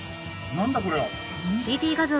何だこれは！